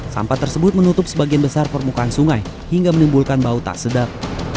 sampah tersebut menutup sebagian besar permukaan sungai hingga menimbulkan bau tak sedap